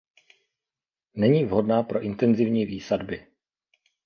Není vhodná pro intenzivní výsadby.